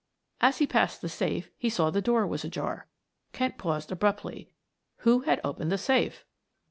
As he passed the safe he saw the door was ajar. Kent paused abruptly. Who had opened the safe?